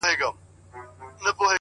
• غليمان به فراريږي -